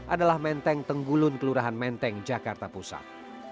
adalah menteng tenggulun kelurahan menteng jakarta pusat